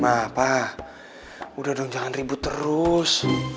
mah pak udah dong jangan ribut terus